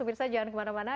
minta jangan kemana mana